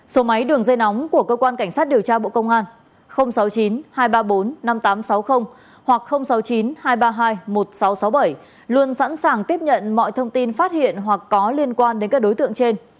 số máy đường dây nóng của cơ quan cảnh sát điều tra bộ công an sáu mươi chín hai trăm ba mươi bốn năm nghìn tám trăm sáu mươi hoặc sáu mươi chín hai trăm ba mươi hai một nghìn sáu trăm sáu mươi bảy luôn sẵn sàng tiếp nhận mọi thông tin phát hiện hoặc có liên quan đến các đối tượng trên